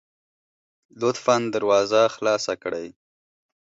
لطفا دروازه خلاصه کړئ